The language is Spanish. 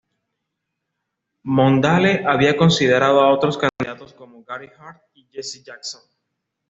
Mondale había considerado a otros candidatos como Gary Hart y Jesse Jackson.